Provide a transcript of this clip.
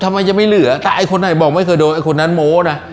ทำไมจะไม่เหลือแต่ไอ้คนไหนบอกไม่เคยโดนไอ้คนนั้นโม้นะ